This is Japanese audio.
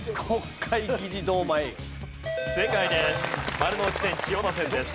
丸ノ内線千代田線です。